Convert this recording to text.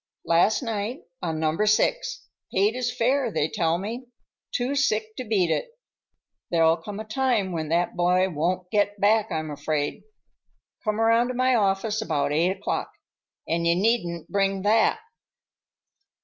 "Last night, on Number Six. Paid his fare, they tell me. Too sick to beat it. There'll come a time when that boy won't get back, I'm afraid. Come around to my office about eight o'clock,—and you needn't bring that!"